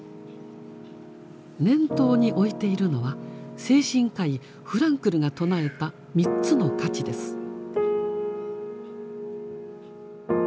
念頭に置いているのは精神科医フランクルが唱えた「三つの価値」です。